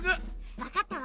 わかったわ！